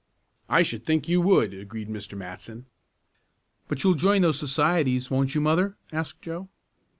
"I should think you would," agreed Mr. Matson. "But you'll join those societies; won't you mother?" asked Joe.